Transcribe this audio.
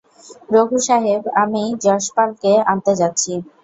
রঘু সাহেব, আমি যশপালকে আনতে যাচ্ছি।